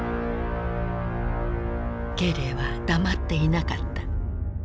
慶齢は黙っていなかった。